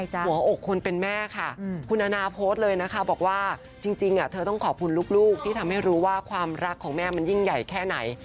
หัวอกคนเป็นแม่ค่ะคุณอาณาโพสต์เลยนะคะบอกว่าจริงเธอต้องขอบคุณลูกที่ทำให้รู้ว่าความรักของแม่มันยิ่งใหญ่แค่ไหน